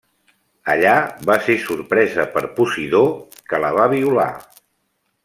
Allà va ser sorpresa per Posidó, que la va violar.